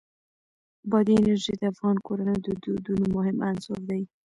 بادي انرژي د افغان کورنیو د دودونو مهم عنصر دی.